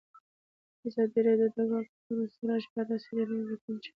ازادي راډیو د د کانونو استخراج په اړه څېړنیزې لیکنې چاپ کړي.